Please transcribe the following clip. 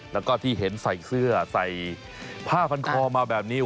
แล้วก็ที่เห็นใส่เสื้อใส่ผ้าพันคอมาแบบนี้